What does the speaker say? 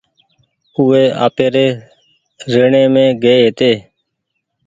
او وي آپيري ريڻي مينٚ گئي هيتي